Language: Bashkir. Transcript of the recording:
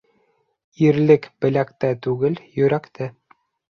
Ирлек беләктә түгел, йөрәктә.